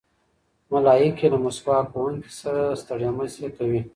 ملایکې له مسواک وهونکي سره ستړې مه شي کوي.